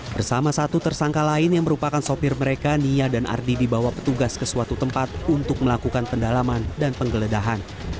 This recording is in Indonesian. bersama satu tersangka lain yang merupakan sopir mereka nia dan ardi dibawa petugas ke suatu tempat untuk melakukan pendalaman dan penggeledahan